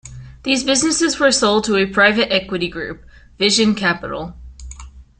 These businesses were sold to a private equity group, Vision Capital.